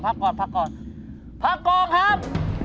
พั้กก้องครับ